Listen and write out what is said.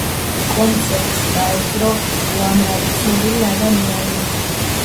კონცერტს დაესწრო უამრავი ცნობილი ადამიანი.